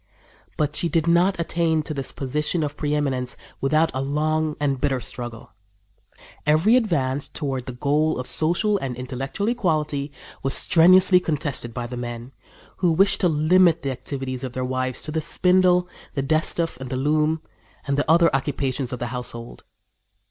But she did not attain to this position of preëminence without a long and bitter struggle. Every advance toward the goal of social and intellectual equality was strenuously contested by the men, who wished to limit the activities of their wives to the spindle, the distaff and the loom and the other occupations of the household.